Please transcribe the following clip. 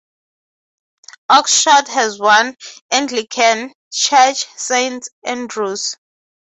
Oxshott has one, Anglican, church, Saint Andrew's.